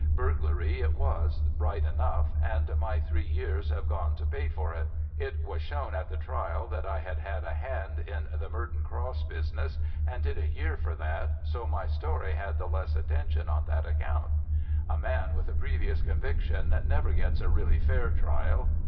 Burglary it was, right enough, and my three years have gone to pay for it. It was shown at the trial that I had had a hand in the Merton Cross business, and did a year for that, so my story had the less attention on that account. A man with a previous conviction never gets a really fair trial.